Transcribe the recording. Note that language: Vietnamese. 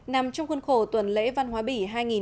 nằm trong khuôn khổ tuần lễ văn hóa bỉ